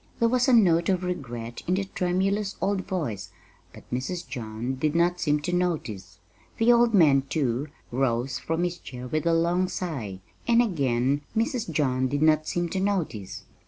There was a note of regret in the tremulous old voice, but Mrs. John did not seem to notice. The old man, too, rose from his chair with a long sigh and again Mrs. John did not seem to notice.